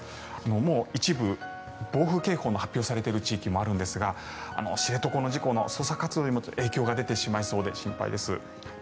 もう一部、暴風警報の発表されている地域もあるんですが知床の事故の捜索活動にも影響が出てしまいそうで心配です。